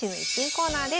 コーナーです。